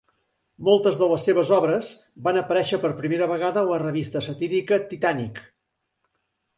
Moltes de les seves obres van aparèixer per primera vegada a la revista satírica "Titanic".